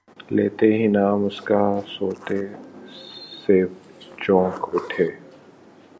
لیتے ہی نام اس کا سوتے سے چونک اٹھے